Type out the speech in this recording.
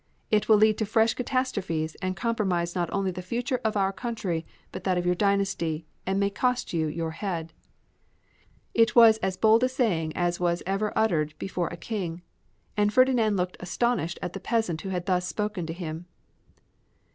"It will lead to fresh catastrophes, and compromise not only the future of our country, but that of your dynasty, and may cost you your head." It was as bold a saying as ever was uttered before a King, and Ferdinand looked astonished at the peasant who was thus speaking to him.